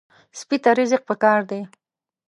سپي ته رزق پکار دی.